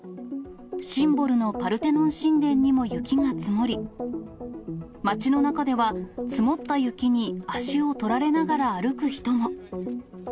シンボルのパルテノン神殿にも雪が積もり、街の中では、積もった雪に足を取られながら歩く人も。